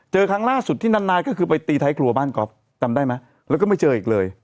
ครั้งล่าสุดที่นานก็คือไปตีท้ายครัวบ้านก๊อฟจำได้ไหมแล้วก็ไม่เจออีกเลย